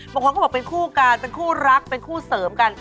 บางคนก็บอกเป็นคู่กันเป็นคู่รักเป็นคู่เสริมกัน